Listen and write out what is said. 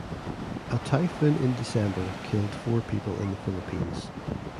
A typhoon in December killed four people in the Philippines.